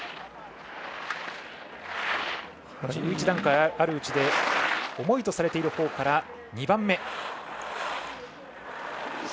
１１段階あるうちで重いとされているほうから２番目。